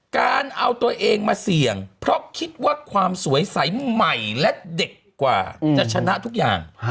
การเอาตัวเองมาเสี่ยงเพราะคิดว่าความสวยใสใหม่และเด็กกว่าจะชนะทุกอย่าง